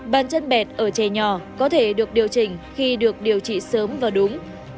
bàn chân bẹt ở chè nhỏ có thể được điều trị khi được điều trị sớm và đúng